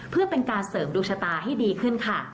เพื่อเป็นการเสริมดวงชะตาให้ดีขึ้นค่ะ